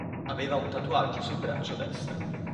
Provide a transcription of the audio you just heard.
Aveva un tatuaggio sul braccio destro.